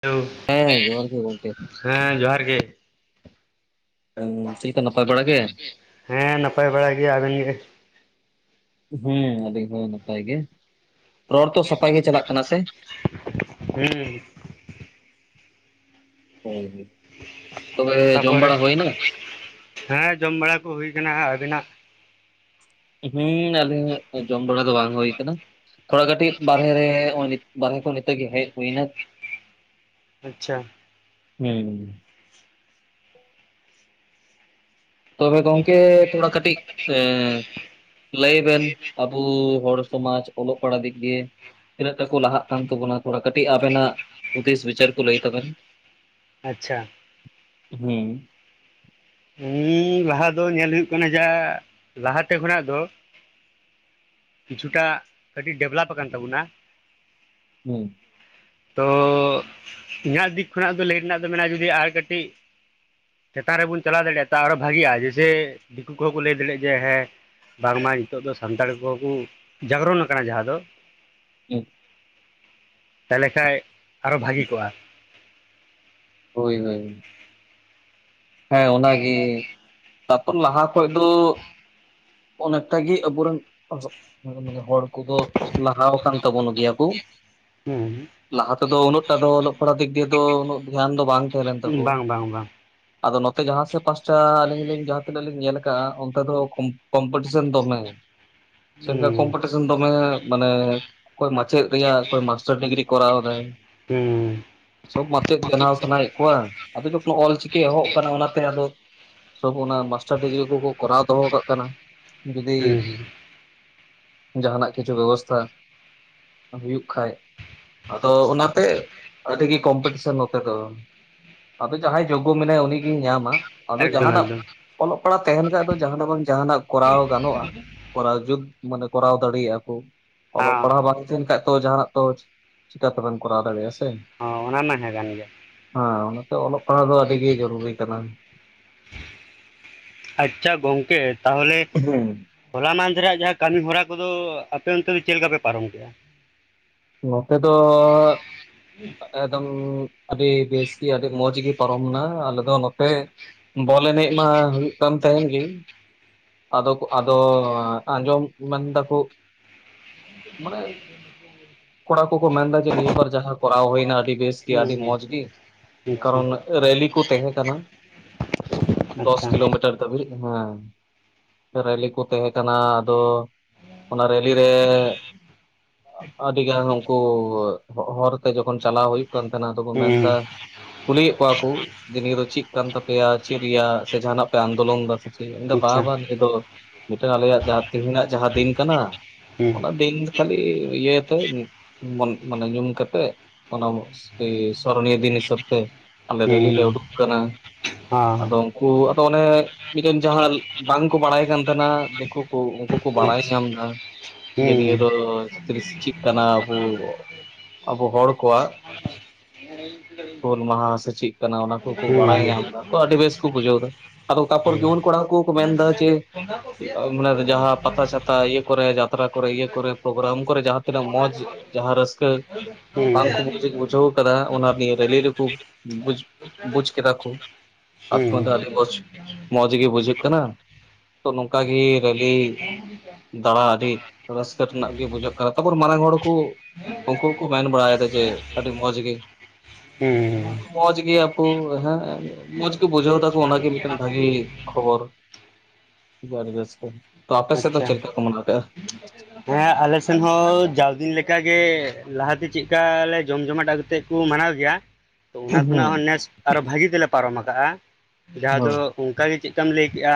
Hello ᱦᱮᱸ ᱡᱚᱦᱟᱨ ᱜᱮ ᱜᱚᱝᱠᱮ ᱦᱮᱸ ᱡᱚᱦᱟᱨ ᱜᱮ ᱦᱩᱸ ᱪᱮᱫ ᱞᱮᱠᱟ ᱱᱟᱯᱟᱭ ᱵᱟᱲᱟ ᱜᱮ? ᱦᱮᱸ ᱱᱟᱯᱟᱭ ᱵᱟᱲᱟ ᱜᱮ, ᱟᱵᱮᱱ ᱜᱮ? ᱦᱮᱸ ᱟᱞᱤᱧ ᱦᱚᱸ ᱱᱟᱯᱟᱭ ᱜᱮ, ᱨᱚᱲ ᱛᱚ ᱥᱟᱯᱷᱟ ᱜᱮ ᱪᱟᱞᱟᱜ ᱠᱟᱱᱟ ᱥᱮ? ᱦᱩᱸ ᱦᱳᱭ ᱦᱳᱭ ᱛᱚᱵᱮ ᱡᱚᱢ ᱛᱟᱯᱚᱨᱮ ᱵᱟᱲᱟ ᱦᱳᱭᱱᱟ? ᱦᱮᱸ ᱡᱚᱢ ᱵᱟᱲᱟ ᱠᱚ ᱦᱩᱭ ᱠᱟᱱᱟ ᱦᱟᱸᱜ, ᱟᱹᱵᱤᱱᱟᱜ ᱦᱩᱸ ᱟᱞᱤᱧ ᱦᱟᱸᱜ ᱛᱚ ᱡᱚᱢ ᱵᱟᱲᱟ ᱫᱚ ᱵᱟᱝ ᱦᱩᱭ ᱠᱟᱱᱟ᱾ ᱛᱷᱚᱲᱟ ᱠᱟᱹᱴᱤᱡ ᱵᱟᱨᱦᱮ ᱨᱮ ᱵᱟᱨᱦᱮ ᱠᱷᱚᱱ ᱱᱤᱛᱚᱜ ᱜᱮ ᱦᱮᱡ ᱦᱩᱭ ᱱᱟ ᱟᱪᱪᱷᱟ ᱦᱩᱸ ᱛᱚᱵᱮ ᱜᱚᱝᱠᱮ ᱛᱷᱚᱲᱟ ᱠᱟᱹᱴᱤᱡ ᱮᱸ ᱞᱟᱹᱭ ᱵᱮᱱ ᱟᱵᱚ ᱦᱚᱲ ᱥᱚᱢᱟᱡᱽ ᱚᱞᱚᱜ ᱯᱟᱲᱦᱟᱜ ᱫᱤᱠ ᱫᱤᱭᱮ? ᱛᱤᱱᱟᱹᱜ ᱴᱟᱠᱚ ᱞᱟᱦᱟᱜ ᱠᱟᱱ ᱛᱟᱵᱚᱱᱟ ᱛᱷᱚᱲᱟ ᱠᱟᱹᱴᱤᱡ ᱟᱵᱮᱱᱟᱜ ᱦᱩᱫᱤᱥ ᱵᱤᱪᱟᱹᱨ ᱠᱚ ᱞᱟᱹᱭ ᱛᱟᱵᱮᱱ ᱟᱪᱪᱷᱟ ᱦᱮᱸ ᱦᱩᱸ ᱞᱟᱦᱟ ᱫᱚ ᱧᱮᱞ ᱦᱩᱭᱩᱜ ᱠᱟᱱᱟ ᱡᱟ ᱞᱟᱦᱟᱛᱮ ᱠᱷᱚᱱᱟᱜ ᱫᱚ‍᱾ ᱠᱤᱪᱷᱩᱴᱟ ᱠᱟᱹᱴᱤᱡ ᱰᱮᱵᱷᱞᱚᱯ ᱟᱠᱟᱱ ᱛᱟᱵᱚᱱᱟ᱾ ᱦᱩᱸ ᱛᱚ ᱤᱧᱟᱹᱜ ᱫᱤᱠ ᱠᱷᱚᱱᱟᱜ ᱫᱚ ᱞᱟᱹᱭ ᱨᱮᱱᱟᱜ ᱫᱚ ᱢᱮᱱᱟᱜᱼᱟ ᱡᱩᱫᱤ ᱟᱨ ᱠᱟᱹᱴᱤᱡ ᱪᱮᱛᱟᱱ ᱨᱮᱵᱚᱱ ᱪᱟᱞᱟᱣ ᱫᱟᱲᱮᱭᱟᱜᱼᱟ ᱛᱚ ᱟᱨᱚ ᱵᱷᱟᱜᱤᱜᱼᱟ ᱡᱮᱭᱥᱮ ᱫᱤᱠᱩ ᱠᱚᱦᱚᱸ ᱠᱚ ᱞᱟᱹᱭ ᱫᱟᱲᱮᱭᱟᱜᱼᱟ ᱡᱮ ᱦᱮᱸ ᱵᱟᱝᱢᱟ ᱱᱤᱛᱚᱜ ᱫᱚ ᱥᱟᱱᱛᱟᱲ ᱠᱚᱦᱚᱸ ᱠᱚ ᱡᱟᱜᱽᱨᱚᱱ ᱟᱠᱟᱱᱟ ᱡᱟᱦᱟᱸ ᱫᱚ ᱦᱩᱸ ᱛᱟᱦᱞᱮ ᱠᱷᱟᱡ ᱟᱨᱚ ᱵᱷᱟᱜᱤ ᱠᱚᱜᱼᱟ ᱦᱳᱭ ᱦᱳᱭ ᱦᱮᱸ ᱚᱱᱟᱜᱮ ᱛᱟᱨᱯᱚᱨ ᱞᱟᱦᱟ ᱠᱷᱚᱡ ᱫᱚ ᱚᱱᱮᱠᱴᱟᱜᱮ ᱟᱵᱚᱨᱮᱱ ᱦᱚ ᱦᱚ ᱦᱚᱲ ᱠᱚᱫᱚ ᱞᱟᱦᱟᱣ ᱟᱠᱟᱱ ᱛᱟᱵᱚᱱ ᱜᱮᱭᱟ ᱠᱚ ᱦᱩᱸ ᱞᱟᱦᱟ ᱛᱮᱫᱚ ᱩᱱᱟᱹᱜ ᱴᱟ ᱫᱚ ᱚᱞᱚᱜ ᱯᱟᱲᱟᱜ ᱫᱤᱠᱫᱤᱭᱟᱹ ᱫᱚ ᱩᱱᱟᱹᱜ ᱫᱷᱮᱭᱟᱱ ᱫᱚ ᱵᱟᱝ ᱛᱟᱦᱮᱸ ᱞᱮᱱ ᱛᱟᱠᱚᱣᱟ ᱵᱟᱝ ᱵᱟᱝ ᱵᱟᱝ ᱟᱫᱚ ᱱᱚᱛᱮ ᱡᱟᱦᱟᱸᱥᱮᱫ ᱯᱟᱥᱴᱟ ᱟᱹᱞᱤᱧ ᱡᱟᱦᱟᱸ ᱛᱤᱱᱟᱹᱜ ᱞᱤᱧ ᱧᱮᱞ ᱠᱟᱜᱼᱟ ᱚᱱᱛᱮ ᱫᱚ ᱠᱚᱢᱯᱤᱴᱤᱥᱮᱱ ᱫᱚᱢᱮ ᱪᱮᱫ ᱞᱮᱠᱟ ᱦᱩᱸ ᱠᱚᱢᱯᱤᱴᱤᱥᱚᱱ ᱫᱚᱢᱮ ᱢᱟᱱᱮ ᱚᱠᱚᱭ ᱢᱟᱪᱮᱫ ᱨᱮᱭᱟᱜ ᱚᱠᱚᱭ ᱢᱟᱥᱴᱟᱨ ᱰᱤᱜᱽᱨᱤᱭ ᱠᱚᱨᱟᱣ ᱫᱟᱭ ᱦᱩᱸ ᱥᱚᱵ ᱢᱟᱪᱮᱫ ᱥᱟᱱᱟᱭᱮᱫ ᱠᱚᱣᱟ ᱟᱫᱚ ᱡᱚᱠᱷᱚᱱ ᱚᱞ ᱪᱤᱠᱤ ᱮᱦᱚᱵ ᱚᱱᱟᱛᱮ ᱟᱫᱚ ᱥᱚᱵ ᱚᱱᱟ ᱢᱟᱥᱴᱟᱨ ᱰᱤᱜᱽᱨᱤ ᱠᱚᱠᱚ ᱠᱚᱨᱟᱣ ᱫᱚᱦᱚ ᱠᱟᱜ ᱠᱟᱱᱟ ᱡᱩᱫᱤ ᱦᱩᱸ ᱡᱟᱦᱟᱱᱟᱜ ᱠᱤᱪᱷᱩ ᱵᱮᱵᱚᱥᱛᱷᱟ ᱦᱩᱭᱩᱜ ᱠᱷᱟᱡ ᱟᱫᱚ ᱚᱱᱟᱛᱮ ᱟᱹᱰᱤᱜᱮ ᱠᱚᱢᱯᱤᱴᱤᱥᱚᱱ ᱱᱚᱛᱮ ᱫᱚ ᱟᱫᱚ ᱡᱟᱦᱟᱸᱭ ᱡᱳᱜᱽᱜᱳ ᱢᱮᱱᱟᱭ ᱩᱱᱤᱜᱮᱭ ᱧᱟᱢᱟ ᱟᱫᱚ ᱮᱠᱫᱚᱢ ᱡᱟᱦᱱᱟᱜ ᱮᱠᱫᱚᱢ ᱚᱞᱚᱜ ᱯᱟᱲᱦᱟᱜ ᱛᱟᱦᱮᱱ ᱠᱷᱟᱡ ᱫᱚ ᱡᱟᱦᱱᱟᱜ ᱵᱟᱝ ᱡᱟᱦᱱᱟᱜ ᱠᱚᱨᱟᱣ ᱜᱟᱱᱚᱜᱼᱟ ᱠᱚᱨᱟᱣ ᱡᱩᱛ ᱢᱟᱱᱮ ᱠᱚᱨᱟᱣ ᱫᱟᱲᱮᱭᱟᱜᱼᱟ ᱠᱚ ᱚᱞᱚᱜ ᱯᱟᱲᱦᱟᱣ ᱦᱮᱸ ᱵᱟᱝ ᱛᱟᱦᱮᱱ ᱠᱷᱟᱡ ᱛᱚ ᱡᱟᱦᱱᱟᱜ ᱛᱚ ᱪᱤᱠᱟᱛᱮᱵᱮᱱ ᱠᱚᱨᱟᱣ ᱫᱟᱲᱮᱭᱟᱜᱼᱟ ᱥᱮ ᱦᱚᱸ ᱚᱱᱟ ᱢᱟ ᱦᱮᱸ ᱠᱟᱱ ᱜᱮᱭᱟ ᱦᱟᱸ ᱚᱱᱟᱛᱮ ᱚᱞᱚᱜ ᱯᱟᱲᱦᱟᱜ ᱫᱚ ᱟᱹᱰᱤᱜᱮ ᱡᱚᱨᱩᱨᱤ ᱠᱟᱱᱟ ᱟᱪᱪᱷᱟ ᱜᱚᱝᱠᱮ ᱛᱟᱦᱚᱞᱮ ᱦᱮᱸ ᱦᱚᱞᱟ ᱢᱟᱸᱫᱷᱮᱨᱟᱜ ᱡᱟᱦᱟᱸ ᱠᱟᱹᱢᱤ ᱦᱚᱨᱟ ᱠᱚᱫᱚ ᱟᱯᱮ ᱚᱱᱛᱮ ᱫᱚ ᱪᱮᱫ ᱞᱮᱠᱟ ᱯᱮ ᱯᱟᱨᱚᱢ ᱠᱮᱫᱼᱟ? ᱱᱚᱛᱮ ᱫᱚ ᱮᱠᱫᱚᱢ ᱟᱹᱰᱤ ᱵᱮᱥ ᱜᱮ ᱟᱹᱰᱤ ᱢᱚᱡᱽ ᱜᱮ ᱯᱟᱨᱚᱢᱱᱟ ᱟᱞᱮ ᱫᱚ ᱱᱚᱛᱮ ᱵᱚᱞ ᱮᱱᱮᱡ ᱢᱟ ᱦᱩᱭᱩᱜ ᱠᱟᱱ ᱛᱟᱦᱮᱱ ᱜᱮ ᱟᱫᱚ ᱠᱚ ᱟᱫᱚ ᱟᱸᱡᱚᱢ ᱢᱮᱱ ᱮᱫᱟᱠᱚ [unintelligible] ᱠᱚᱲᱟ ᱠᱚᱠᱚ ᱢᱮᱱ ᱫᱟ ᱡᱮ ᱱᱤᱭᱟᱹ ᱵᱟᱨ ᱡᱟᱦᱟᱸ ᱠᱚᱨᱟᱣ ᱦᱳᱭᱱᱟ ᱟᱹᱰᱤ ᱵᱮᱥ ᱜᱮ ᱟᱹᱰᱤ ᱦᱩᱸ ᱢᱚᱸᱡᱽ ᱜᱮ ᱦᱩᱸ ᱠᱟᱨᱚᱱ ᱨᱮᱞᱤ ᱠᱚ ᱛᱟᱦᱮᱸ ᱠᱟᱱᱟ ᱫᱚᱥ ᱟᱪᱪᱷᱟ ᱟᱪᱪᱷᱟ ᱠᱤᱞᱳᱢᱤᱴᱟᱨ ᱠᱟᱨᱫᱟᱹᱵᱤᱡ ᱡᱟᱦᱟᱸ ᱨᱮᱞᱤ ᱠᱚ ᱛᱟᱦᱮᱸ ᱠᱟᱱᱟ ᱟᱫᱚ ᱚᱱᱟ ᱨᱮᱞᱤ ᱨᱮ [inaudible] ᱟᱹᱰᱤ ᱜᱟᱱ ᱩᱱᱠᱩ ᱦᱚᱨ ᱛᱮ ᱡᱚᱠᱷᱚᱱ ᱪᱟᱞᱟᱣ ᱦᱩᱭᱩᱜ ᱠᱟᱱ ᱛᱟᱦᱮᱸᱱᱟ ᱟᱫᱚ ᱠᱚ ᱢᱮᱱᱫᱟ ᱦᱩᱸ ᱠᱩᱞᱤᱭᱮᱫ ᱠᱚᱣᱟ ᱠᱚ ᱡᱮ ᱱᱤᱭᱟᱹ ᱫᱚ ᱪᱮᱫ ᱠᱟᱱ ᱛᱟᱯᱮᱭᱟ ᱪᱮᱫ ᱨᱮᱭᱟᱜ ᱥᱮ ᱡᱟᱦᱟᱱᱟᱜ ᱯᱮ ᱟᱱᱫᱳᱞᱚᱱ ᱫᱟ ᱥᱮ ᱪᱮᱫ ᱢᱮᱱᱫᱟ ᱵᱟ ᱟᱪᱪᱷᱟ ᱵᱟ ᱱᱤᱭᱟᱹ ᱫᱚ ᱢᱤᱫᱴᱟᱝ ᱟᱞᱮᱭᱟᱜ ᱡᱟᱦᱟᱸ ᱛᱮᱦᱤᱧᱟᱜ ᱡᱟᱦᱟᱸ ᱫᱤᱱ ᱠᱟᱱᱟ ᱦᱩᱸ ᱚᱱᱟ ᱫᱤᱱ ᱫᱚ ᱠᱷᱟᱞᱤ ᱩᱭᱟᱹᱨ ᱢᱟᱱᱮ ᱧᱩᱢ ᱠᱟᱛᱮ ᱚᱱᱟ ᱥᱚᱨᱚᱱᱤᱭᱚ ᱫᱤᱱ ᱦᱤᱥᱟᱹᱵ ᱛᱮ ᱟᱞᱮ ᱨᱮᱞᱤ ᱞᱮ ᱦᱩᱸ ᱩᱰᱩᱠ ᱟᱠᱟᱱᱟ ᱟᱫᱚ ᱦᱚᱸ ᱟᱫᱚ ᱚᱱᱮ ᱢᱤᱫᱴᱮᱱ ᱡᱟᱦᱟᱸ ᱵᱟᱝᱠᱚ ᱵᱟᱲᱟᱭ ᱠᱟᱱ ᱛᱟᱦᱮᱱᱟ ᱫᱮᱠᱳ ᱠᱚ ᱩᱱᱠᱩ ᱠᱚ ᱵᱟᱲᱟᱭ ᱟᱪᱪᱷᱟ ᱧᱟᱢ ᱮᱫᱟ ᱦᱩᱸ ᱡᱮ ᱱᱤᱭᱟᱹ ᱫᱚ ᱦᱩᱸ ᱦᱩᱸ ᱠᱟᱱᱟ ᱟᱵᱚ ᱟᱵᱚ ᱦᱚᱲ ᱠᱚᱣᱟᱜ ᱦᱩᱞ ᱢᱟᱦᱟ ᱥᱮ ᱪᱮᱫ ᱠᱟᱱᱟ ᱚᱱᱟ ᱠᱚᱠᱚ ᱵᱟᱲᱟᱭ ᱧᱟᱢ ᱮᱫᱟ ᱛᱚ ᱦᱩᱸ ᱟᱹᱰᱤ ᱵᱮᱥ ᱠᱚ ᱵᱩᱡᱷᱟᱹᱣ ᱮᱫᱟ ᱟᱫᱚ ᱚᱠᱟ ᱠᱚᱨᱮ ᱡᱩᱣᱟᱹᱱ ᱠᱚᱲᱟ ᱠᱚᱠᱚ ᱢᱮᱱ ᱮᱫᱟ ᱡᱮ [unintelligible] ᱯᱟᱛᱟᱪᱷᱟᱛᱟ ᱤᱭᱟᱹ ᱠᱚᱨᱮ ᱡᱟᱛᱨᱟ ᱠᱚᱨᱮ ᱤᱭᱟᱹ ᱠᱚᱨᱮ ᱯᱨᱳᱜᱨᱟᱢ ᱠᱚᱨᱮ ᱡᱟᱦᱟᱸ ᱛᱤᱱᱟᱹᱜ ᱢᱚᱡᱽ ᱡᱟᱦᱟᱸ ᱨᱟᱹᱥᱠᱟᱹ ᱵᱟᱝᱠᱩ ᱵᱩᱡᱷᱟᱹᱣ ᱟᱠᱟᱫᱟ ᱚᱱᱟ ᱱᱤᱭᱟᱹ ᱨᱮᱞᱤ ᱨᱮᱠᱚ ᱵᱩᱡ ᱵᱩᱡ ᱠᱮᱫᱟ ᱠᱚ ᱟᱛᱢᱟ ᱫᱚ ᱟᱹᱰᱤ ᱢᱚᱡᱽ ᱢᱚᱸᱡᱽ ᱜᱮ ᱵᱩᱡᱷᱟᱹᱜ ᱠᱟᱱᱟ ᱛᱚ ᱱᱚᱝᱠᱟᱜᱮ ᱨᱮᱞᱤ ᱫᱟᱬᱟ ᱟᱹᱰᱤ ᱨᱟᱹᱥᱠᱟᱹ ᱨᱮᱱᱟᱜ ᱜᱮ ᱵᱩᱡᱷᱟᱹᱜ ᱠᱟᱱᱟ ᱛᱟᱨᱯᱚᱨ ᱢᱟᱨᱟᱝ ᱦᱚᱲ ᱠᱚ ᱩᱱᱠᱩ ᱦᱚᱸᱠᱚ ᱢᱮᱱ ᱵᱟᱲᱟ ᱮᱫᱟ ᱡᱮ ᱟᱹᱰᱤ ᱢᱚᱸᱡᱽ ᱜᱮ ᱦᱩᱸ ᱢᱚᱸᱡᱽ ᱜᱮᱭᱟ ᱠᱚ ᱦᱮᱸ ᱢᱚᱸᱡᱽ ᱜᱮ ᱵᱩᱡᱷᱟᱹᱣ ᱮᱫᱟᱠᱚ ᱚᱱᱟᱜᱮ ᱢᱤᱫᱴᱮᱱ ᱵᱷᱟᱜᱤ ᱠᱷᱚᱵᱚᱨ ᱟᱰᱤ ᱵᱮᱥᱜᱤ ᱛᱚ ᱟᱯᱮ ᱥᱮᱫ ᱫᱚ ᱟᱪᱪᱷᱟ ᱪᱮᱫ ᱞᱮᱠᱟ ᱠᱚ ᱢᱟᱱᱟᱣ ᱠᱮᱜᱼᱟ ᱦᱮᱸ ᱟᱞᱮ ᱥᱮᱱ ᱦᱚᱸ ᱡᱟᱣ ᱫᱤᱱ ᱞᱮᱠᱟᱜᱮ ᱞᱟᱦᱟᱛᱮ ᱪᱮᱫᱠᱟ ᱞᱮ ᱡᱚᱢ ᱡᱚᱢᱟᱴ ᱠᱟᱛᱮᱫ ᱠᱚ ᱢᱟᱱᱟᱣ ᱜᱮᱭᱟ ᱛᱚ ᱚᱱᱟ ᱠᱷᱚᱱᱟᱜ ᱦᱩᱸ ᱦᱚᱸ ᱱᱮᱥ ᱟᱨᱚ ᱵᱷᱟᱹᱜᱤ ᱛᱮᱞᱮ ᱯᱟᱨᱚᱢ ᱟᱠᱟᱜᱼᱟ ᱡᱟᱸᱦᱟ ᱫᱚ ᱦᱩᱸ ᱚᱱᱠᱟ ᱜᱤ ᱪᱮᱫ ᱞᱮᱠᱟᱢ ᱞᱟᱹᱭ ᱠᱮᱜᱼᱟ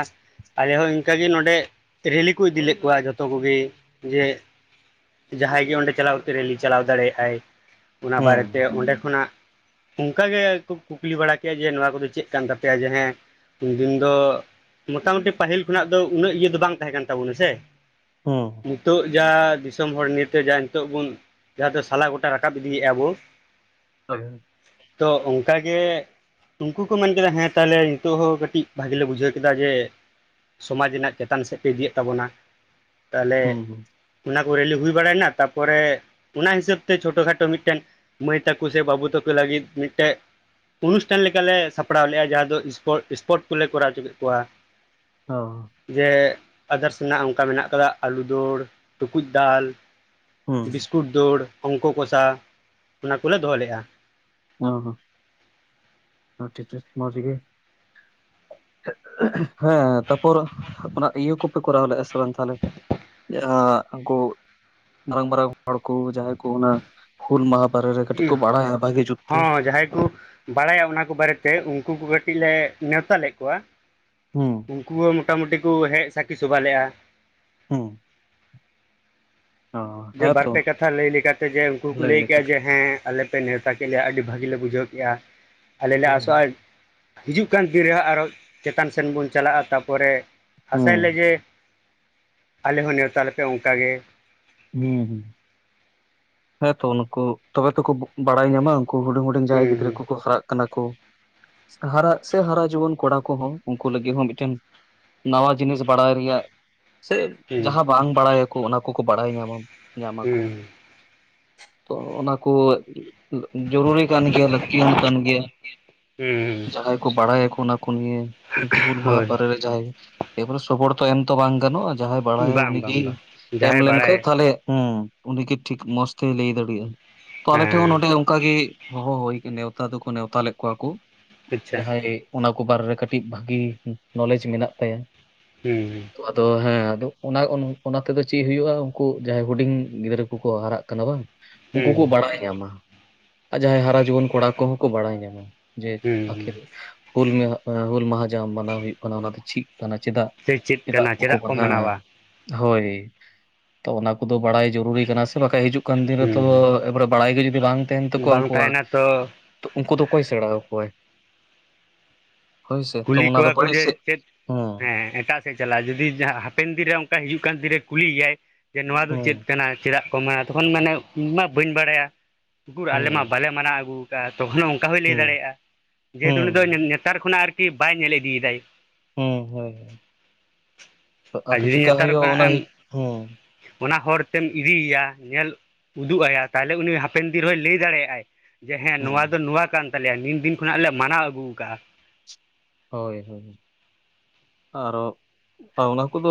ᱟᱞᱮ ᱦᱚᱸ ᱤᱱᱠᱟ ᱜᱮ ᱱᱚᱰᱮ ᱨᱮᱞᱤ ᱠᱚ ᱤᱫᱤ ᱞᱮᱫ ᱠᱚᱣᱟ ᱡᱷᱚᱛᱚ ᱠᱚᱜᱤ ᱡᱮ ᱡᱟᱸᱦᱟᱸᱭ ᱜᱮ ᱚᱸᱰᱮ ᱪᱟᱞᱟᱣ ᱠᱟᱛᱮ ᱨᱮᱞᱤ ᱪᱟᱞᱟᱣ ᱫᱟᱲᱮᱭᱟᱜᱼᱟᱭ ᱚᱱᱟ ᱦᱩᱸ ᱵᱟᱨᱮᱛᱮ ᱚᱸᱰᱮ ᱠᱷᱚᱱᱟᱜ ᱚᱝᱠᱟ ᱜᱮᱠᱚ ᱠᱩᱠᱞᱤ ᱵᱟᱲᱟ ᱠᱮᱜᱼᱟ ᱡᱮ ᱱᱚᱣᱟ ᱠᱚᱫᱚ ᱪᱮᱫ ᱠᱟᱱ ᱛᱟᱯᱮᱭᱟ ᱡᱮ ᱦᱮᱸ ᱩᱱᱫᱤᱱ ᱫᱚ ᱢᱚᱴᱟᱢᱩᱴᱤ ᱯᱟᱦᱤᱞ ᱠᱷᱚᱱᱟᱜ ᱫᱚ ᱩᱱᱟᱹᱜ ᱤᱭᱟᱹ ᱫᱚ ᱵᱟᱝ ᱛᱟᱦᱮᱸ ᱠᱟᱱ ᱛᱟᱵᱚᱱᱟ ᱥᱮ ᱦᱩᱸ ᱱᱤᱛᱚᱜ ᱡᱟ ᱫᱤᱥᱚᱢ ᱦᱚᱲ ᱱᱤᱭᱮᱛᱮ ᱡᱟᱦᱟ ᱱᱤᱛᱚᱜ ᱵᱚᱱ ᱡᱟᱸᱦᱟ ᱫᱚ ᱥᱟᱞᱟ ᱜᱚᱴᱟ ᱨᱟᱠᱟᱵ ᱤᱫᱤᱭᱮᱫᱼᱟ ᱵᱩ [unintelligible] ᱛᱚ ᱚᱱᱠᱟ ᱜᱮ ᱩᱱᱠᱩ ᱠᱚ ᱢᱮᱱ ᱠᱮᱫᱟ ᱦᱮᱸ ᱛᱟᱦᱚᱞᱮ ᱱᱤᱛᱚᱜ ᱦᱚᱸ ᱠᱟᱹᱴᱤᱡ ᱵᱷᱟᱜᱮ ᱞᱮ ᱵᱩᱡᱷᱟᱹᱣ ᱠᱮᱫᱟ ᱡᱮ ᱥᱚᱢᱟᱡᱽ ᱨᱮᱱᱟᱜ ᱪᱮᱛᱟᱱ ᱥᱮᱫ ᱯᱮ ᱤᱫᱤᱭᱮᱫ ᱛᱟᱵᱚᱱᱟ ᱛᱟᱦᱚᱞᱮ ᱦᱩᱸ ᱦᱩᱸ ᱚᱱᱟ ᱠᱚᱨᱮᱞᱮ ᱦᱩᱭ ᱵᱟᱲᱟᱭᱮᱱᱟ ᱛᱟᱯᱚᱨᱮ ᱚᱱᱟ ᱦᱤᱥᱟᱹᱵ ᱛᱮ ᱪᱷᱳᱴᱳ ᱠᱷᱟᱴᱚ ᱢᱤᱫᱴᱮᱱ ᱢᱟᱹᱭ ᱛᱟᱠᱩ ᱥᱮ ᱵᱟᱵᱩ ᱛᱟᱠᱩ ᱞᱟᱜᱤᱫ ᱢᱤᱫᱴᱮᱡ ᱚᱱᱩᱥᱴᱷᱟᱱ ᱞᱮᱠᱟᱞᱮ ᱥᱟᱯᱲᱟᱣ ᱞᱮᱜᱼᱟ ᱡᱟᱸᱦᱟᱸ ᱫᱚ ᱥᱯᱳᱨᱴ ᱠᱚᱞᱮ ᱠᱚᱨᱟᱣ ᱦᱩᱪᱩ ᱠᱮᱫ ᱠᱚᱣᱟ ᱚ ᱡᱮ ᱟᱫᱟᱨᱥ ᱨᱮᱱᱟᱜ ᱚᱱᱠᱟ ᱢᱮᱱᱟᱜ ᱠᱟᱫᱟ ᱟᱞᱩ ᱫᱳᱲ ᱴᱩᱠᱩᱡ ᱫᱟᱞ ᱵᱤᱥᱠᱩᱴ ᱫᱟᱹᱲ ᱚᱝᱠᱚ ᱠᱚᱥᱟ ᱚᱱᱟ ᱠᱚᱞᱮ ᱫᱚᱦᱚ ᱞᱮᱜᱼᱟ ᱚ ᱦᱚᱸ ᱴᱷᱤᱠ ᱴᱷᱟᱠ ᱢᱚᱡ ᱜᱤ ᱦᱚᱸ ᱛᱟᱯᱚᱨ ᱚᱱᱟ ᱤᱭᱟᱹ ᱠᱚᱯᱮ ᱠᱚᱨᱟᱣ ᱞᱮᱜᱼᱟ ᱥᱮ ᱵᱟᱝ ᱛᱟᱦᱞᱮ ᱡᱟᱸᱦᱟᱸ ᱩᱱᱠᱩ ᱢᱟᱨᱟᱝ ᱢᱟᱨᱟᱝ ᱦᱚᱲ ᱠᱩ ᱡᱟᱸᱦᱟᱸᱭ ᱠᱩ ᱚᱱᱟ ᱦᱩᱞ ᱢᱟᱦᱟ ᱵᱟᱨᱮ ᱨᱮ ᱠᱟᱹᱴᱤᱡ ᱠᱚ ᱵᱟᱲᱟᱭᱟ ᱵᱷᱟᱜᱤ ᱡᱩᱛ ᱛᱮ ᱾ ᱡᱟᱸᱦᱟᱸᱭ ᱠᱩ ᱵᱟᱲᱟᱭᱟ ᱚᱱᱟ ᱠᱚ ᱵᱟᱨᱮᱛᱮ ᱩᱱᱠᱩ ᱠᱩ ᱠᱟᱴᱤᱡ ᱞᱮ ᱱᱮᱶᱛᱟ ᱞᱮᱫ ᱠᱚᱣᱟ ᱦᱩᱸ ᱩᱱᱠᱩ ᱦᱚᱸ ᱢᱚᱴᱟ ᱢᱩᱴᱤ ᱠᱚ ᱦᱮᱡ ᱥᱟᱠᱷᱤ ᱥᱚᱵᱷᱟ ᱞᱮᱜᱼᱟ ᱦᱩᱸ ᱚ ᱡᱮ ᱵᱟᱨ ᱦᱮᱸᱛᱚ ᱯᱮ ᱠᱟᱛᱷᱟ ᱞᱟᱹᱭ ᱞᱮᱠᱟᱛᱮ ᱡᱮ ᱩᱱᱠᱩ ᱠᱩ ᱞᱟᱹᱭ ᱠᱮᱜᱼᱟ ᱡᱮ ᱦᱮᱸ ᱟᱞᱮ ᱯᱮ ᱱᱮᱣᱛᱟ ᱠᱮᱫ ᱞᱮᱭᱟ ᱟᱹᱰᱤ ᱵᱷᱟᱹᱜᱤᱮ ᱞᱮ ᱵᱩᱡᱷᱟᱹᱣ ᱠᱮᱜᱼᱟ ᱟᱞᱮ ᱞᱮ ᱦᱳᱭ ᱟᱥᱚᱜᱼᱟ ᱦᱳᱭ ᱦᱤᱡᱩᱜ ᱠᱟᱱ ᱫᱤᱱ ᱨᱮᱦᱚᱸ ᱟᱨᱚ ᱪᱮᱛᱟᱱ ᱥᱮᱱ ᱵᱚᱱ ᱪᱟᱞᱟᱜᱼᱟ ᱛᱟᱯᱚᱨᱮ ᱦᱩᱸ ᱟᱥᱟᱭᱟᱞᱮ ᱡᱮ ᱟᱞᱮ ᱦᱚᱸ ᱱᱮᱶᱛᱟ ᱞᱮᱯᱮ ᱚᱱᱠᱟᱜᱮ ᱦᱩᱸ ᱦᱩᱸ ᱦᱮᱸᱛᱚ ᱱᱩᱠᱩ ᱛᱚᱵᱮ ᱛᱚᱠᱩ ᱵᱟᱲᱟᱭ ᱧᱟᱢᱟ ᱩᱱᱠᱩ ᱦᱩᱰᱤᱧ ᱦᱩᱰᱤᱧ ᱡᱟᱦᱟᱸᱭ ᱜᱤᱫᱽᱨᱟᱹ ᱦᱩᱸ ᱠᱩᱠᱩ ᱦᱟᱨᱟᱜ ᱠᱟᱱᱟ ᱠᱚ ᱦᱟᱨᱟᱜ ᱥᱮ ᱦᱟᱨᱟ ᱡᱩᱣᱟᱹᱱ ᱠᱚᱲᱟ ᱠᱚᱸᱦᱚᱸ ᱩᱱᱠᱩ ᱞᱟᱹᱜᱤᱫ ᱦᱚᱸ ᱢᱤᱫᱴᱮᱱ ᱱᱟᱣᱟ ᱡᱤᱱᱤᱥ ᱵᱟᱲᱟᱭ ᱨᱮᱭᱟᱜ ᱥᱮ ᱦᱩᱸ ᱡᱟᱸᱦᱟᱸ ᱵᱟᱝ ᱵᱟᱲᱟᱭᱟᱠᱩ ᱚᱱᱟ ᱠᱚᱠᱚ ᱵᱟᱲᱟᱭ ᱧᱟᱢᱟ, ᱧᱟᱢᱟᱠᱩ ᱾ ᱦᱩᱸ ᱛᱚ ᱚᱱᱟ ᱠᱚ ᱡᱚᱨᱩᱨᱤ ᱠᱟᱱ ᱜᱮᱭᱟ, ᱞᱟᱹᱠᱛᱤᱭᱟᱱ ᱠᱟᱱ ᱜᱮᱭᱟ ᱾ ᱦᱩᱸ ᱦᱩᱸ ᱡᱟᱦᱟᱸᱭ ᱠᱩ ᱵᱟᱲᱟᱭᱟᱠᱩ ᱚᱱᱟ ᱠᱚ ᱱᱤᱭᱮ ᱦᱩᱞ ᱢᱟᱦᱟ ᱦᱳᱭ ᱵᱟᱨᱮ ᱨᱮ ᱡᱟᱦᱟᱸᱭ ᱾ ᱮᱯᱚᱨᱮ ᱥᱚᱵᱚᱨᱛᱚ ᱮᱢ ᱛᱚ ᱵᱟᱝ ᱜᱟᱱᱚᱜᱼᱟ ᱡᱟᱦᱟᱸᱭ ᱵᱟᱲᱟᱭᱟ ᱵᱟᱝ ᱵᱟᱝ ᱩᱱᱤᱜᱤ ᱵᱟᱝ ᱮᱢ ᱡᱟᱦᱟᱸᱭ ᱵᱟᱲᱟᱭ ᱞᱮᱱᱠᱷᱟᱡ ᱛᱟᱦᱚᱞᱮ ᱦᱩᱸ ᱩᱱᱤᱜᱮ ᱴᱷᱤᱠ ᱢᱚᱸᱡᱽ ᱛᱮᱭ ᱞᱟᱹᱭ ᱫᱟᱲᱤᱭᱟᱜ-ᱟ ᱾ ᱛᱚ ᱟᱞᱮ ᱴᱷᱮᱡ ᱦᱚᱸ ᱦᱮᱸ ᱱᱚᱰᱮ ᱚᱱᱠᱟ ᱜᱤ ᱦᱚᱦᱚ ᱦᱩᱭ ᱱᱮᱣᱛᱟ ᱫᱚᱠᱚ ᱱᱮᱣᱛᱟ ᱞᱮᱫ ᱠᱚᱣᱟ ᱠᱩ ᱟᱪᱪᱷᱟ ᱡᱟᱸᱦᱟᱸᱭ ᱚᱱᱟ ᱠᱚ ᱵᱟᱨᱮ ᱨᱮ ᱠᱟᱹᱴᱤᱡ ᱵᱷᱟᱹᱜᱤ ᱱᱚᱞᱮᱡᱽ ᱢᱮᱱᱟᱜ ᱛᱟᱭᱟ ᱦᱩᱸ ᱦᱩᱸ [inaudible] ᱛᱚ ᱟᱫᱚ ᱦᱮᱸ ᱟᱫᱚ ᱚᱱᱟ ᱛᱮᱫᱚ ᱪᱮᱫ ᱦᱩᱭᱩᱜᱼᱟ ᱩᱱᱠᱩ ᱡᱟᱸᱦᱟᱸᱭ ᱦᱩᱰᱤᱧ ᱜᱤᱫᱽᱨᱟᱹ ᱠᱩᱠᱚ ᱦᱟᱨᱟᱜ ᱠᱟᱱᱟ ᱵᱟᱝ ᱦᱩᱸ ᱩᱱᱠᱩ ᱦᱩᱸ ᱠᱚ ᱵᱟᱲᱟᱭ ᱧᱟᱢᱟ ᱟᱨ ᱡᱟᱦᱟᱸᱭ ᱦᱟᱨᱟ ᱡᱩᱣᱟᱹᱱ ᱠᱚᱲᱟ ᱠᱚᱦᱚᱸ ᱠᱚ ᱵᱟᱲᱟᱭ ᱧᱟᱢᱟ᱾ ᱡᱮ ᱦᱩᱸ ᱟᱹᱠᱷᱤᱨ ᱦᱩᱸ ᱦᱩᱞ ᱢᱟᱦᱟᱸ ᱦᱩᱞ ᱢᱟᱦᱟ ᱡᱟᱦᱟ ᱢᱟᱱᱟᱣ ᱦᱩᱭᱩᱜ ᱠᱟᱱᱟ, ᱚᱱᱟ ᱫᱚ ᱪᱤᱫ ᱠᱟᱱᱟ ᱪᱮᱫᱟᱜ? ᱥᱮ ᱪᱮᱫ ᱪᱮᱫᱟᱜ ᱠᱟᱱᱟ ᱠᱚ ᱠᱚ ᱵᱟᱫᱷᱟ ᱦᱮᱸᱮ ᱢᱟᱱᱟᱣᱟ ᱦᱳᱭ, ᱛᱚ ᱚᱱᱟ ᱠᱚᱫᱚ ᱵᱟᱲᱟᱭ ᱡᱚᱨᱩᱨᱤ ᱠᱟᱱᱟ ᱥᱮ ᱵᱟᱠᱷᱟᱡ [unintelligible] ᱫᱤᱱ ᱨᱮ ᱛᱚ ᱦᱩᱸ ᱮ ᱵᱟᱨᱮ ᱵᱟᱲᱟᱭ ᱜᱮ ᱡᱩᱫᱤ ᱵᱟᱝ ᱛᱟᱦᱮᱱ ᱛᱟᱠᱚᱣᱟ ᱵᱟᱝ ᱩᱱᱠᱩᱣᱟᱜ, ᱛᱟᱦᱮᱱᱟ ᱛᱚ ᱛᱚ ᱩᱱᱠᱩ ᱫᱚ ᱚᱠᱚᱭ ᱥᱮᱬᱟᱣ ᱠᱚᱣᱟᱭ ᱛᱚ ᱠᱩᱞᱤ ᱚᱱᱟ ᱫᱚ ᱠᱚᱣᱟ ᱠᱚ ᱵᱟᱹᱲᱤᱡ ᱡᱮ ᱥᱮᱫ ᱪᱮᱫ ᱦᱩᱸ ᱯᱮᱸ ᱮᱴᱟᱜᱼᱼ [unintelligible] ᱪᱟᱞᱟᱜᱼᱟ ᱡᱩᱫᱤ ᱦᱟᱯᱮᱱ ᱫᱤᱱᱨᱮ ᱚᱱᱠᱟ ᱦᱤᱡᱩᱜ ᱠᱟᱱ ᱫᱤᱱᱨᱮ ᱠᱩᱞᱤᱭᱮᱭᱟᱭ ᱡᱮ ᱱᱚᱣᱟ ᱫᱚ ᱦᱩᱸ ᱪᱮᱫ ᱠᱟᱱᱟ ᱪᱮᱫᱟᱜ? ᱢᱟ ᱛᱚᱠᱷᱚᱱ ᱢᱟᱱᱮ ᱤᱧ ᱢᱟ ᱵᱟᱹᱧ ᱵᱟᱲᱟᱭᱟ ᱩᱠᱩᱨ ᱟᱞᱮ ᱦᱩᱸ ᱢᱟ ᱵᱟᱞᱮ ᱢᱟᱱᱟᱣ ᱟᱹᱜᱩᱣ ᱠᱟᱜᱼᱟ ᱛᱚᱠᱷᱚᱱᱳᱣ ᱚᱠᱚᱭ ᱞᱟᱹᱭ ᱦᱩᱸ ᱫᱟᱲᱮᱭᱟᱜᱼᱟ, ᱡᱮᱦᱮᱛᱩ ᱦᱩᱸ ᱩᱱᱤ ᱫᱚ ᱱᱮ ᱱᱮᱛᱟᱨ ᱠᱷᱚᱱᱟᱜ ᱟᱨᱠᱤ ᱵᱟᱭ ᱧᱮᱞ ᱤᱫᱤᱭᱮᱫᱟᱭ᱾ ᱦᱩᱸ ᱦᱩᱸ ᱦᱩᱸ ᱟᱨ ᱟᱫᱚ ᱡᱩᱫᱤ ᱪᱮᱠᱟ ᱱᱮᱛᱟᱨ ᱦᱩᱭᱩᱜᱼᱟ ᱠᱷᱚᱱᱟᱜ ᱚᱱᱟ ᱮᱢ ᱦᱩᱸ ᱚᱱᱟ ᱦᱚᱨ ᱛᱮᱢ ᱤᱫᱤᱭᱮᱭᱟ ᱧᱮᱞ? ᱩᱫᱩᱜ ᱟᱭᱟ ᱛᱟᱦᱞᱮ ᱩᱱᱤ ᱦᱟᱯᱮᱱ ᱫᱤᱱ ᱨᱮᱦᱚᱸᱭ ᱞᱟᱹᱭ ᱫᱟᱲᱮᱭᱟᱜᱼᱟᱭ ᱾ ᱡᱮ ᱦᱮᱸ ᱦᱩᱸ ᱱᱚᱣᱟ ᱫᱚ ᱱᱚᱣᱟ ᱠᱟᱱ ᱛᱟᱞᱮᱭᱟ ᱱᱤᱱ ᱫᱤᱱ ᱠᱷᱚᱱᱟᱜ ᱞᱮ ᱢᱟᱱᱟᱣ ᱟᱜᱩ ᱟᱠᱟᱜ-ᱟ ᱾ ᱦᱚᱭ ᱦᱚᱭ ᱟᱨᱚ ᱚᱱᱟ ᱠᱚᱫᱚ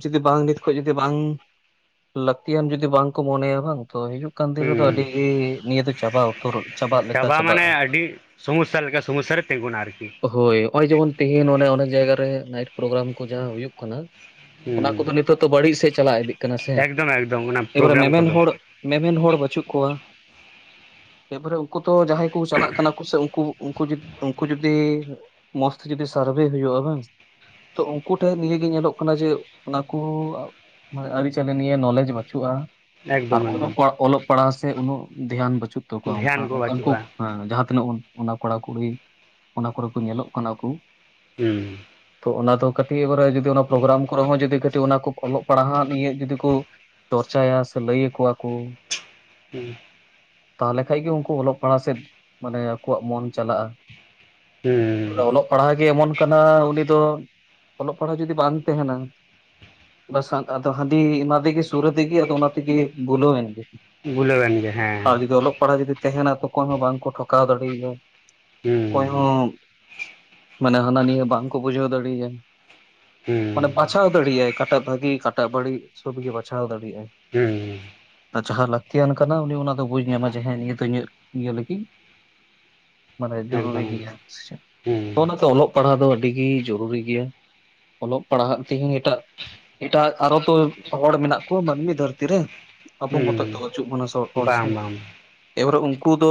ᱡᱩᱫᱤ ᱵᱟᱝ ᱱᱤᱛ ᱠᱷᱚᱡ ᱡᱩᱫᱤ ᱵᱟᱝ ᱞᱟᱹᱠᱛᱤᱭᱟᱱ ᱡᱩᱫᱤ ᱵᱟᱝ ᱠᱚ ᱢᱚᱱᱮᱭᱟ ᱵᱟᱝ ᱛᱚ ᱦᱤᱡᱩᱜ ᱠᱟᱱ ᱫᱤᱱ ᱨᱮᱫᱚ ᱟᱹᱰᱤ ᱦᱩᱸ ᱜᱤ ᱱᱤᱭᱟᱹ ᱫᱚ ᱪᱟᱵᱟ ᱩᱛᱟᱹᱨ ᱪᱟᱵᱟᱜ ᱞᱮᱠᱟ ᱪᱟᱵᱟ ᱪᱟᱵᱟᱜᱼᱟ ᱢᱟᱱᱮ ᱟᱹᱰᱤ ᱥᱚᱢᱚᱥᱥᱟ ᱞᱮᱠᱟ ᱥᱚᱢᱚᱥᱥᱟ ᱨᱮ ᱛᱮᱸᱜᱩᱱᱟ ᱟᱨᱠᱤ ᱦᱳᱭ ᱱᱚᱜᱼᱚᱭ ᱡᱮᱢᱚᱱ ᱛᱮᱦᱤᱧ ᱚᱱᱮᱠ ᱚᱱᱮᱠ ᱡᱟᱭᱜᱟᱮ ᱱᱟᱭᱤᱴ ᱯᱨᱳᱜᱨᱟᱢ ᱠᱚ ᱡᱟᱦᱟᱸ ᱦᱩᱭᱩᱜ ᱠᱟᱱᱟ ᱚᱱᱟ ᱦᱩᱸ ᱠᱚᱫᱚ ᱱᱤᱛᱚᱜ ᱫᱚ ᱵᱟᱹᱲᱤᱡ ᱥᱮᱫ ᱪᱟᱞᱟᱣ ᱤᱫᱤᱜ ᱠᱟᱱᱟ ᱥᱮ ᱮᱠᱫᱚᱢ ᱮᱠᱫᱚᱢ ᱚᱱᱟ ᱮ ᱵᱟᱨᱮ ᱯᱨᱳᱜᱨᱟᱢ ᱢᱮᱢᱮᱱ ᱠᱚᱫᱚ ᱦᱚᱲᱼᱼ ᱢᱮᱢᱮᱱ ᱦᱚᱲ ᱵᱟᱹᱪᱩᱜ ᱠᱚᱣᱟ ᱮ ᱯᱚᱨᱮᱼᱼ [unintelligible] ᱛᱚ ᱡᱟᱦᱟᱸᱭ ᱠᱚ ᱥᱟᱞᱟᱜ ᱠᱟᱱᱟ ᱠᱚ ᱥᱮ ᱩᱱᱠᱩ ᱩᱱᱠᱩ ᱩᱱᱠᱩ ᱡᱩᱫᱤ? ᱢᱳᱡᱽᱛᱮ ᱡᱩᱫᱤ ᱥᱟᱨᱵᱷᱮ ᱦᱩᱭᱩᱜᱼᱟ ᱵᱟᱝ ᱛᱚ ᱩᱱᱠᱩ ᱴᱷᱮᱱ ᱱᱤᱭᱟᱹ ᱜᱮ ᱧᱮᱞᱚᱜ ᱠᱟᱱᱟ ᱡᱮ ᱚᱱᱟᱠᱳᱼᱼ ᱢᱟ ᱟᱹᱨᱤ ᱪᱟᱹᱞᱤ ᱱᱤᱭᱮ ᱱᱚᱞᱮᱡᱽ ᱵᱟᱹᱪᱩᱜᱼᱟ ᱮᱠᱫᱚᱢ [unintelligible] ᱚᱞᱚᱜ ᱮᱠᱫᱚᱢ ᱯᱟᱲᱟᱣ [unintelligible] ᱚᱞᱚᱜ ᱯᱟᱲᱦᱟᱣ ᱥᱮ ᱩᱱᱟᱹᱜ ᱫᱷᱮᱭᱟᱱ ᱵᱟᱹᱪᱩᱜ᱾ [unintelligible] ᱛᱚ ᱚᱝᱠᱟ ᱫᱷᱮᱭᱟᱱ ᱠᱚ ᱚᱱᱠᱟᱱ ᱠᱩ ᱵᱟᱹᱪᱩᱜᱼᱟ ᱦᱮᱸ ᱡᱟᱦᱟᱸ ᱛᱤᱱᱟᱹᱜ ᱵᱚᱱ ᱚᱱᱟ ᱠᱚᱲᱟᱼᱠᱩᱲᱤ, [unintelligible] ᱠᱚ ᱧᱮᱞᱚᱜ ᱠᱟᱱᱟ ᱠᱩ, ᱦᱩᱸ [unintelligible] ᱚᱱᱟ ᱫᱚ ᱠᱟᱹᱴᱤᱜ ᱮᱵᱟᱨᱮ ᱡᱩᱫᱤ ᱚᱱᱟ ᱯᱨᱚᱜᱨᱟᱢ ᱠᱚᱨᱮ ᱦᱚᱸ ᱡᱩᱫᱤ ᱠᱟᱹᱴᱤᱜ ᱚᱱᱟ ᱠᱚ ᱚᱞᱚᱜ? ᱯᱟᱲᱦᱟᱜ ᱱᱤᱭᱟᱹ ᱡᱩᱫᱤᱜ ᱠᱚ ᱪᱚᱨᱪᱟᱭᱟ ᱥᱮ ᱞᱟᱹᱭᱟ ᱠᱚᱣᱟ ᱠᱚ [unintelligible] ᱦᱩᱸ ᱛᱟᱦᱞᱮ ᱠᱷᱟᱡᱽᱜᱮ ᱩᱱᱠᱩ ᱚᱞᱚᱜ ᱯᱟᱲᱦᱟᱜ ᱥᱮᱫ ᱢᱟᱱᱮ ᱟᱠᱚᱣᱟᱜ ᱢᱚᱱ ᱪᱟᱞᱟᱜᱼᱟ᱾ ᱦᱩᱸ ᱩᱸ [unintelligible] ᱜᱮ ᱮᱢᱚᱱ ᱠᱟᱱᱟ ᱩᱱᱤ ᱫᱚ ᱚᱞᱚᱜ ᱯᱟᱲᱦᱟᱜ ᱡᱩᱫᱤ ᱵᱟᱝ ᱛᱟᱦᱮᱱᱟ? ᱵᱟᱥ ᱟᱫᱚ ᱦᱟᱺᱫᱤ ᱮᱢᱟ ᱫᱮᱜᱮ ᱚᱱᱟ ᱛᱮᱜᱮ ᱥᱩᱨᱟ ᱫᱮᱜᱮ ᱟᱫᱚ ᱚᱱᱟ ᱛᱮᱜᱮ ᱵᱩᱞᱟᱹᱣ ᱮᱱᱜᱮ ᱜᱩᱞᱟᱹᱣᱮᱱ ᱜᱮ ᱦᱮᱸ ᱛᱟᱦᱞᱮ ᱫᱚ ᱚᱞᱚᱜ ᱯᱟᱲᱦᱟᱣ ᱡᱩᱫᱤ ᱛᱟᱦᱮᱱᱟ ᱛᱚ ᱚᱠᱚᱭ ᱦᱚᱸ ᱵᱟᱝᱠᱚ ᱴᱷᱚᱠᱟᱣ ᱫᱟᱲᱮᱭᱟᱭᱟ᱾ ᱚᱠᱚᱭ ᱦᱩᱸ ᱦᱚᱸ, ᱢᱟᱱᱮ ᱦᱟᱱᱟ ᱱᱷᱤᱭᱟᱹ ᱵᱟᱝᱠᱚ ᱵᱩᱡᱷᱟᱹᱣ ᱫᱟᱲᱤᱭᱟᱭᱟ ᱾ [unintelligible] ᱢᱟᱱᱮ ᱵᱟᱪᱷᱟᱣ ᱫᱟᱲᱮ ᱭᱟᱜᱼᱟᱭ ᱚᱠᱟᱴᱟᱜ ᱵᱷᱟᱜᱤ ᱚᱠᱟᱴᱟᱜ ᱵᱟᱹᱲᱤᱡ ᱥᱚᱵᱽ ᱜᱮ ᱵᱟᱪᱷᱟᱣ ᱫᱟᱲᱮᱭᱟᱜᱼᱟᱭ ᱦᱩᱸ ᱡᱟᱦᱟᱸ ᱞᱟᱹᱠᱛᱤᱭᱟᱱ ᱠᱟᱱᱟ ᱩᱱᱤ ᱚᱱᱟ ᱫᱚ ᱵᱩᱡᱽ ᱧᱟᱢᱟᱭ ᱡᱮ ᱦᱮᱸ ᱱᱤᱭᱟᱹ ᱫᱚ ᱤᱧᱟᱹᱜ ᱤᱭᱟᱹ ᱞᱟᱹᱜᱤᱫ ᱢᱟᱱᱮ ᱡᱚᱨᱩᱨᱤ ᱮᱠᱫᱚᱢ ᱜᱮᱭᱟ ᱮᱠᱫᱚᱢ ᱛᱚ ᱦᱩᱸ ᱚᱱᱟ ᱛᱮ ᱚᱞᱚᱜ? ᱚᱞᱚᱜ ᱯᱟᱲᱦᱟᱣ ᱫᱚ ᱟᱹᱰᱤᱜᱮ ᱡᱚᱨᱩᱨᱤ ᱜᱮᱭᱟ ᱚᱞᱚᱜ ᱯᱟᱲᱦᱟᱜ ᱛᱮᱦᱮᱧ ᱮᱴᱟᱜᱼᱼ ᱮᱴᱟᱜ ᱟᱨ ᱛᱚ ᱦᱚᱲ ᱢᱮᱱᱟᱜ ᱠᱚᱣᱟ ᱢᱟᱹᱱᱢᱤ ᱫᱷᱟᱹᱨᱛᱤ ᱨᱮ ᱟᱵᱚ ᱢᱚᱛᱚ ᱛᱚ ᱦᱩᱸ ᱵᱟᱪᱩᱜ ᱵᱚᱱᱟ ᱥᱮ ᱦᱚᱲ ᱥᱮ ᱵᱟᱝ ᱵᱟᱝ ᱮᱵᱟᱨᱮ ᱩᱱᱠᱩ ᱫᱚ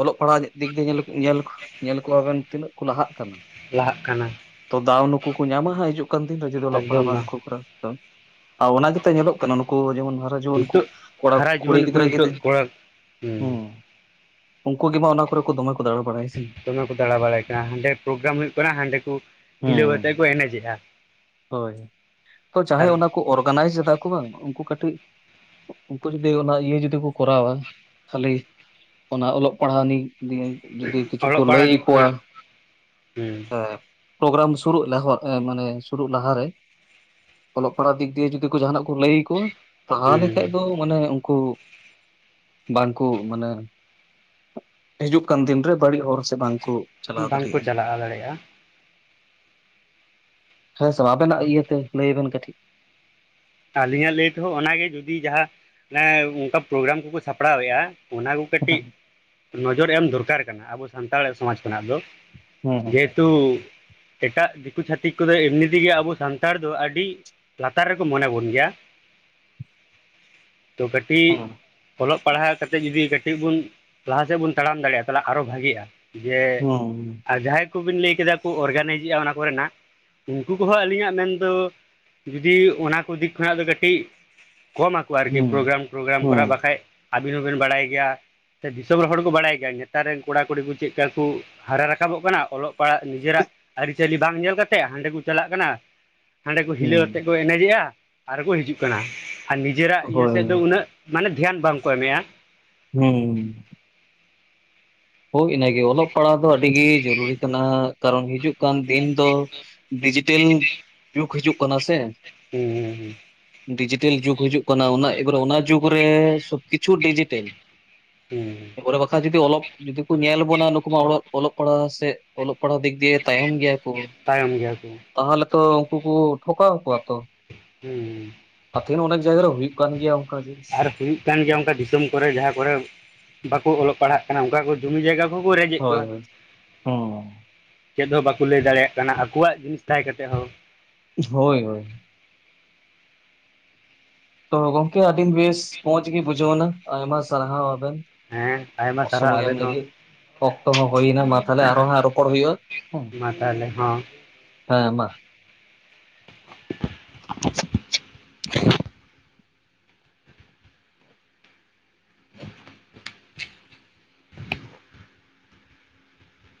ᱚᱞᱚᱜ ᱯᱟᱲᱦᱟᱜ ᱫᱤᱠ ᱫᱤᱭᱮ ᱧᱮᱞ ᱧᱮᱞ ᱠᱚᱼᱼ ᱧᱮᱞ ᱠᱚᱣᱟᱵᱮᱱ ᱛᱤᱱᱟᱹᱜ ᱠᱚ ᱞᱟᱦᱟᱜ ᱠᱟᱱᱟ᱾ ᱞᱟᱦᱟᱜ ᱠᱟᱱᱟ ᱾ ᱛᱚ ᱫᱟᱣ ᱱᱩᱠᱩ ᱠᱚ ᱧᱟᱢᱟ ᱦᱟᱸᱜ ᱦᱤᱡᱩᱜ ᱠᱟᱱ ᱫᱤᱱ ᱨᱮ ᱡᱩᱫᱤ ᱚᱞᱚᱜ ᱯᱟᱲᱦᱟᱜ ᱵᱟᱝ ᱠᱚ ᱠᱚᱨᱟᱣᱟ᱾ ᱛᱚ ᱟ ᱚᱱᱟ ᱜᱮᱛᱚ ᱧᱮᱞᱚᱜ ᱠᱟᱱᱟ ᱱᱩᱠᱩ ᱡᱮᱢᱚᱱ ᱜᱷᱟᱨᱚᱼᱼ ᱡᱮᱢᱚᱱ ᱩᱱᱠᱩ ᱱᱤᱛᱚᱜ ᱠᱚᱲᱟ ᱦᱟᱨᱟ ᱠᱩᱲᱤ ᱡᱩᱣᱟᱹᱱ ᱠᱚ ᱜᱤᱫᱽᱨᱟᱹ ᱜᱮ ᱱᱤᱛᱚᱜ ᱠᱚᱲᱟ ᱦᱩᱸ ᱩᱱᱠᱩ ᱜᱮ ᱢᱟ ᱚᱱᱟ ᱠᱚᱨᱮ ᱫᱚᱢᱮ ᱠᱚ ᱫᱟᱲᱟ ᱵᱟᱲᱟᱭ ᱥᱮ ᱫᱚᱢᱮ ᱠᱚ ᱫᱟᱬᱟ ᱵᱟᱲᱟᱭ ᱠᱟᱱᱟ, ᱦᱟᱸᱰᱮ ᱯᱨᱳᱜᱨᱟᱢ ᱦᱩᱭᱩᱜ ᱠᱟᱱᱟ ᱦᱟᱸᱰᱮ ᱠᱚᱼᱼ ᱦᱩᱸ ᱦᱳᱭ, ᱛᱚ ᱟᱨ ᱡᱟᱦᱟᱸᱭ ᱚᱱᱟ ᱠᱚ ᱚᱨᱜᱟᱱᱟᱭᱤᱡᱽ ᱫᱟ ᱩᱱᱠᱩ ᱵᱟᱝ ᱩᱱᱠᱩ ᱠᱟᱹᱴᱤᱡ ᱩᱱᱠᱩ ᱡᱩᱚᱫᱤ ᱚᱱᱟ ᱤᱭᱟᱹ ᱡᱩᱫᱤ ᱠᱚ ᱠᱚᱨᱟᱣᱟ ᱠᱷᱟᱹᱞᱤ ᱚᱱᱟ ᱚᱞᱚᱜ ᱯᱟᱲᱦᱟᱣ ᱱᱤᱭᱮ ᱫᱤᱭᱮ ᱡᱩᱫᱤ ᱠᱤᱪᱷᱩ ᱠᱚ ᱚᱞᱚᱜ ᱞᱟᱹᱭ ᱯᱟᱲᱦᱟᱜ ᱫᱤᱠ ᱟᱠᱚᱣᱟ ᱠᱷᱚᱱᱟᱜ ᱦᱩᱸ ᱯᱨᱳᱜᱨᱟᱢ ᱥᱩᱨᱩᱜ ᱢᱟᱱᱮ ᱥᱩᱨᱩᱜ ᱞᱟᱦᱟᱨᱮ ᱚᱞᱚᱜ ᱯᱟᱲᱦᱟᱜ ᱫᱤᱠ ᱫᱤᱭᱮ ᱡᱩᱫᱤ ᱠᱚ ᱡᱟᱦᱟᱱᱟᱜ ᱠᱚ ᱞᱟᱹᱭ ᱟᱠᱚᱣᱟ ᱛᱟᱦᱚᱞᱮ ᱠᱷᱟᱱᱡ ᱦᱩᱸ ᱫᱚ ᱢᱟᱱᱮ ᱩᱱᱠᱩ ᱵᱟᱝᱠᱩ ᱢᱟᱱᱮ ᱦᱤᱡᱩᱜ ᱠᱟᱱ ᱫᱤᱱᱨᱮ ᱵᱟᱹᱲᱤᱡ ᱦᱚᱨ ᱥᱮᱫ ᱵᱟᱝ ᱠᱚ ᱪᱟᱞᱟᱣ ᱵᱟᱝᱠᱚ ᱫᱟᱲᱮᱭᱟᱜᱼᱟ ᱪᱟᱞᱟᱣ ᱫᱟᱲᱮᱭᱟᱜᱼᱟ ᱦᱮᱸ ᱥᱮ ᱵᱟᱝ ᱟᱵᱮᱱᱟᱜ ᱤᱭᱟᱹᱛᱮ ᱞᱟᱹᱭ ᱵᱮᱱ ᱠᱟᱹᱴᱤᱡ ᱟᱹᱞᱤᱧᱟᱜ ᱞᱟᱹᱭ ᱛᱮᱦᱚᱸ ᱚᱱᱟᱜᱮ ᱡᱩᱫᱤ ᱡᱟᱦᱟᱸ ᱚᱱᱠᱟ ᱯᱨᱳᱜᱨᱟᱢ ᱠᱚᱠᱚ ᱥᱟᱯᱲᱟᱣᱮᱜᱼᱟ ᱚᱱᱟ ᱠᱚ ᱠᱟᱹᱴᱤᱡ ᱱᱚᱡᱚᱨ ᱮᱢ ᱫᱚᱨᱠᱟᱨ ᱠᱟᱱᱟ ᱟᱵᱚ ᱥᱟᱱᱛᱟᱲ ᱥᱚᱢᱟᱡᱽ ᱠᱷᱚᱱᱟᱜ ᱫᱚ ᱾ ᱡᱮᱦᱮᱛᱩ ᱮᱴᱟᱜ ᱫᱤᱠᱩ ᱪᱷᱟᱹᱛᱤᱠ ᱠᱚᱫᱚ ᱮᱢᱱᱤ ᱛᱮᱜᱮ ᱟᱵᱚ ᱥᱟᱱᱛᱟᱲ ᱫᱚ ᱟᱹᱰᱤ ᱞᱟᱛᱟᱨ ᱨᱮᱠᱚ ᱢᱚᱱᱮ ᱵᱚᱱᱟ ᱾ ᱜᱮᱭᱟ ᱛᱚ ᱠᱟᱹᱴᱤᱡ ᱚᱞᱚᱜ ᱯᱟᱲᱦᱟᱣ ᱠᱟᱛᱮᱫ ᱡᱩᱫᱤ ᱠᱟᱹᱴᱤᱡ ᱵᱚᱱ ᱞᱟᱦᱟ ᱥᱮᱫ ᱵᱚᱱ ᱛᱟᱲᱟᱢ ᱫᱟᱲᱮᱭᱟᱜᱼᱟ ᱟᱨᱚ ᱵᱷᱟᱜᱤᱜᱼᱟ ᱡᱮ ᱟᱨ ᱡᱟᱦᱟᱸᱭ ᱠᱚᱵᱤᱱ ᱞᱟᱹᱭ ᱠᱮᱫᱟ ᱠᱚ ᱚᱨᱜᱟᱱᱟᱭᱤᱡ ᱮᱜᱼᱟ ᱚᱱᱟ ᱠᱚᱨᱮᱱᱟᱜ ᱩᱱᱠᱩ ᱠᱚᱦᱚᱸ ᱟᱹᱞᱤᱧᱟᱜ ᱢᱮᱱᱫᱚ ᱡᱩᱫᱤ ᱚᱱᱟ ᱠᱚ ᱫᱤᱠ ᱠᱷᱟᱱᱟ ᱫᱚ ᱠᱟᱹᱴᱤᱡ ᱠᱚᱢᱟ ᱟᱠᱚ ᱟᱨᱠᱤ ᱯᱨᱳᱜᱨᱟᱢ ᱯᱨᱳᱜᱨᱟᱢ ᱠᱷᱚᱱᱟᱜ ᱵᱟᱠᱷᱟᱡ ᱟᱹᱵᱤᱱ ᱦᱚᱸᱵᱤᱱ ᱵᱟᱲᱟᱭ ᱜᱮᱭᱟ ᱫᱤᱥᱚᱢ ᱨᱮᱱ ᱦᱚᱲ ᱠᱚ ᱵᱟᱲᱟᱭ ᱜᱮᱭᱟ ᱱᱮᱛᱟᱨ ᱨᱮᱱ ᱠᱚᱲᱟ ᱠᱩᱲᱤ ᱠᱚ ᱪᱮᱫ ᱞᱮᱠᱟ ᱠᱚ ᱦᱟᱨᱟ ᱨᱟᱠᱟᱵᱚᱜ ᱠᱟᱱᱟ‌ ᱚᱞᱚᱜ ᱯᱟᱲᱦᱟᱜ ᱾ ᱱᱤᱡᱮᱨᱟᱜ ᱟᱹᱨᱤᱪᱟᱹᱞᱤ ᱵᱟᱝ ᱧᱮᱞ ᱠᱟᱛᱮ ᱦᱟᱸᱰᱮ ᱠᱚ ᱪᱟᱞᱟᱜ ᱠᱟᱱᱟ ᱦᱟᱸᱰᱮ ᱠᱚ ᱦᱤᱞᱟᱹᱣ ᱟᱛᱮᱫ ᱠᱚ ᱮᱱᱮᱡᱮᱜᱼᱟ ᱟᱨ ᱠᱚ ᱦᱤᱡᱩᱜ ᱠᱟᱱᱟ ᱟᱨ ᱱᱤᱡᱮᱨᱟᱜ ᱤᱭᱟᱹ ᱥᱮᱫ ᱫᱚ ᱩᱱᱟᱹᱜ ᱢᱟᱱᱮ ᱫᱷᱮᱭᱟᱱ ᱵᱟᱝᱠᱚ ᱮᱢᱮᱫᱼᱟ ᱾ ᱦᱩᱸ ᱦᱳᱭ ᱤᱱᱟᱹᱜᱮ ᱚᱞᱚᱜ ᱯᱟᱲᱦᱟᱜ ᱫᱚ ᱟᱹᱰᱤ ᱜᱮ ᱡᱚᱨᱩᱨᱤ ᱠᱟᱱᱟ ᱠᱟᱨᱚᱱ ᱦᱤᱡᱩᱜ ᱠᱟᱱ ᱫᱤᱱ ᱫᱚ ᱰᱤᱡᱤᱴᱮᱞ ᱡᱩᱜᱽ ᱦᱤᱡᱩᱜ ᱠᱟᱱᱟ ᱥᱮ ᱾ ᱦᱩᱸ ᱦᱩᱸ ᱦᱩᱸ ᱰᱤᱡᱤᱴᱮᱞ ᱡᱩᱜᱽ ᱦᱤᱡᱩᱜ ᱠᱟᱱᱟ ᱾ ᱚᱱᱟ ᱮᱵᱟᱨᱮ ᱚᱱᱟ ᱡᱩᱜᱽ ᱨᱮ ᱥᱚᱵ ᱠᱤᱪᱷᱩ ᱰᱤᱡᱤᱴᱮᱞ ᱦᱩᱸ ᱯᱚᱨᱮ ᱵᱟᱠᱷᱟᱡ ᱡᱩᱫᱤ ᱚᱞᱚᱜ ᱡᱩᱫᱤ ᱠᱚ ᱧᱮᱞ ᱵᱚᱱᱟ ᱱᱩᱠᱩ ᱢᱟ ᱚᱞᱚᱜ ᱯᱟᱲᱦᱟᱜ ᱥᱮ ᱚᱞᱚᱜ ᱯᱟᱲᱦᱟᱜ ᱫᱤᱠ ᱫᱤᱭᱮ ᱛᱟᱭᱚᱢ ᱜᱮᱭᱟ ᱠᱚ ᱛᱟᱭᱚᱢ ᱜᱮᱭᱟ ᱠᱚ ᱛᱟᱦᱚᱞᱮ ᱛᱚ ᱩᱱᱠᱩ ᱠᱚ ᱴᱷᱚᱠᱟᱣ ᱠᱚᱣᱟ ᱾ ᱛᱚ ᱦᱩᱸ ᱛᱮᱦᱮᱧ ᱚᱱᱟ ᱡᱟᱭᱜᱟ ᱨᱮ ᱦᱩᱭᱩᱜ ᱠᱟᱱ ᱜᱮᱭᱟ ᱚᱱᱠᱟ ᱜᱤ ᱟᱨ ᱦᱩᱭᱩᱜ ᱠᱟᱱ ᱜᱮᱭᱟ ᱚᱱᱠᱟ ᱫᱤᱥᱚᱢ ᱠᱚᱨᱮ ᱡᱟᱦᱟᱸ ᱠᱚᱨᱮ ᱵᱟᱠᱚ ᱚᱞᱚᱜ ᱯᱟᱲᱦᱟᱜ ᱠᱟᱱᱟ ᱚᱝᱠᱟ ᱠᱚ- ᱡᱩᱢᱤ ᱡᱟᱭᱜᱟ ᱠᱚᱦᱚᱸ ᱠᱚ ᱨᱮᱡᱮᱜ ᱦᱳᱭ ᱠᱚᱣᱟ ᱦᱳᱭ ᱦᱚᱸ ᱪᱮᱫ ᱦᱚᱸ ᱵᱟᱠᱚ ᱞᱟᱹᱭ ᱫᱟᱲᱮᱭᱟᱜ ᱠᱟᱱᱟ ᱟᱠᱚᱣᱟᱜ ᱡᱤᱱᱤᱥ ᱛᱟᱦᱮᱸ ᱠᱟᱛᱮ ᱦᱚᱸ ᱦᱳᱭ ᱦᱳᱭ ᱛᱚ ᱜᱚᱝᱠᱮ ᱟᱹᱰᱤᱱ ᱵᱮᱥ ᱢᱚᱸᱡᱽ ᱜᱮ ᱵᱩᱡᱷᱟᱹᱣ ᱮᱱᱟ ᱟᱭᱢᱟ ᱥᱟᱨᱦᱟᱣ ᱟᱵᱮᱱ ᱦᱮᱸ ᱟᱭᱢᱟ ᱥᱟᱨᱦᱟᱣ ᱥᱚᱢᱚᱭ ᱮᱢ ᱟᱵᱤᱱ ᱦᱚᱸ ᱞᱟᱹᱜᱤᱫ ᱚᱠᱛᱚ ᱦᱚᱸ ᱦᱩᱭᱱᱟ ᱢᱟ ᱛᱟᱞᱦᱮ ᱟᱨᱦᱚ ᱦᱟᱜ ᱨᱚᱯᱚᱲ ᱦᱩᱭᱩᱜᱼᱟ ᱦᱮᱸ ᱢᱟ ᱛᱟᱦᱚᱞᱮ ᱦᱚᱸ ᱦᱮᱸ ᱢᱟ [unintelligible]